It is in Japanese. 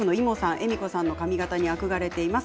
えみ子さんの髪形に憧れています。